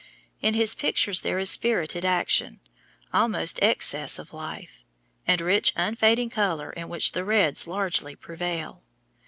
In his pictures there is spirited action, almost excess of life, and rich unfading color in which the reds largely prevail.